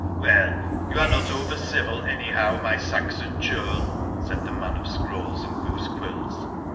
Well, you are not over civil, anyhow, my Saxon churl, said the man of scrolls and goose quills.